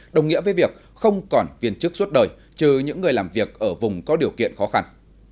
đồng nghĩa với việc không còn viên chức suốt đời trừ những người làm việc ở vùng có điều kiện khó khăn